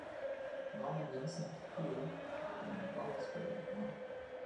Norman Vincent Peale wurde in Bowersville geboren.